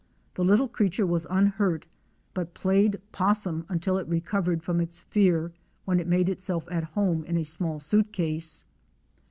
The little creature was unhurt, but played 'possum until it recovered from its fear when it made itself at home in a small suitcase.